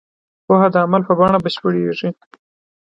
پوهه د عمل په بڼه بشپړېږي.